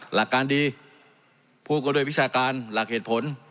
หลักการดีพูดกันด้วยวิชาการหลักเหตุผล